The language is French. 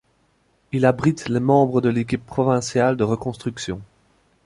Il abrite les membres de l'équipe provinciale de reconstruction.